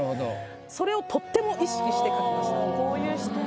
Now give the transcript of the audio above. それをとっても意識して描きました。